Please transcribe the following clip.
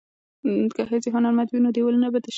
که ښځې هنرمندې وي نو دیوالونه به تش نه وي.